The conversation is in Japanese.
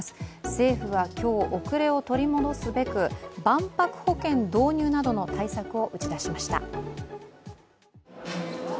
政府は今日、後れを取り戻すべく万博保険導入などの対策を打ち出しました。